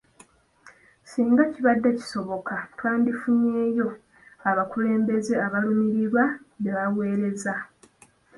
Ssinga kibadde kisoboka twandifunyeeyo abakulembeze abalumirirwa be baweereza.